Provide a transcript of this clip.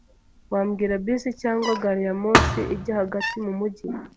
Wambwira bisi cyangwa gariyamoshi ijya hagati mu mujyi?